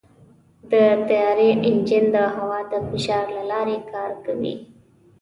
د طیارې انجن د هوا د فشار له لارې کار کوي.